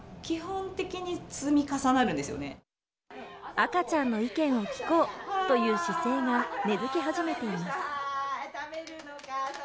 赤ちゃんの意見を聞こうという姿勢が根付き始めています。